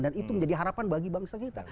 dan itu menjadi harapan bagi bangsa kita